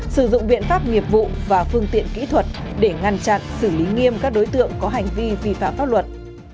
sử dụng biện pháp nghiệp vụ và phương tiện kỹ thuật để ngăn chặn xử lý nghiêm các đối tượng có hành vi vi phạm pháp luật